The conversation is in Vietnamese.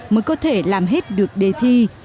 mới có thể làm hết được đề thi